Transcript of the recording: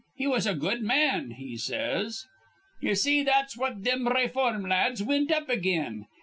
He was a good man,' he says. "Ye see, that's what thim rayform lads wint up again.